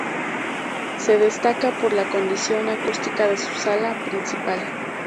Se destaca por la condición acústica de su sala principal.